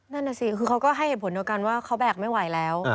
นั่นน่ะสิคือเขาก็ให้เหตุผลเดียวกันว่าเขาแบกไม่ไหวแล้ว